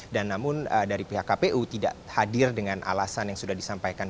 dan namun dari pihak kpu tidak hadir dengan alasan yang sudah disampaikan